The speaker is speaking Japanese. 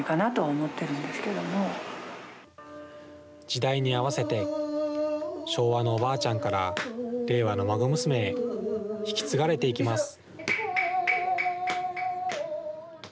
時代に合わせて昭和のおばあちゃんから令和の孫娘へ、引き継がれていきます。